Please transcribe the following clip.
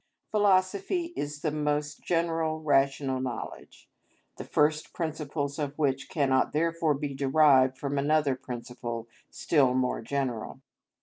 Philosophy is the most general rational knowledge, the first principles of which cannot therefore be derived from another principle still more general.